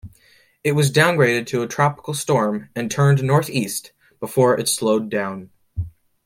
It was downgraded to a tropical storm and turned northeast before it slowed down.